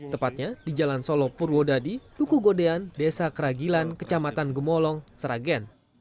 tepatnya di jalan solo purwodadi duku godean desa keragilan kecamatan gemolong sragen